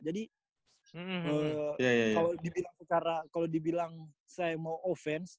jadi kalo dibilang saya mau offense